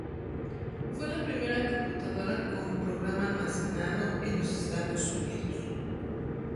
Fue la primera computadora con programa almacenado en los Estados Unidos.